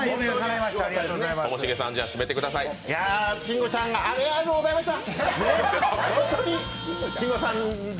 いや、慎吾さん、ありがとうございました。